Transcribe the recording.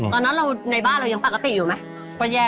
ตอนนั้นเราในบ้านเรายังปกติอยู่ไหม